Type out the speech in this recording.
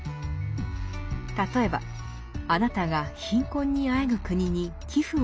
例えばあなたが貧困にあえぐ国に寄付をしたとします。